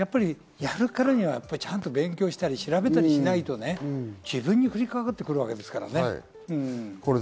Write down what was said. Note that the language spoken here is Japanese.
やるからにはちゃんと勉強したり調べたりしないとね、自分に降りかかってくるわけですからね。